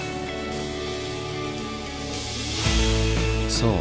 そう。